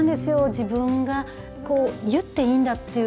自分が言っていいんだって。